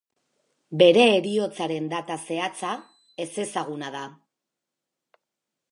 Bere heriotzaren data zehatza ezezaguna da.